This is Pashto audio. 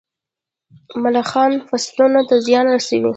ملخان فصلونو ته زیان رسوي.